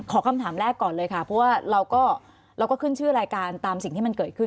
คำถามแรกก่อนเลยค่ะเพราะว่าเราก็ขึ้นชื่อรายการตามสิ่งที่มันเกิดขึ้น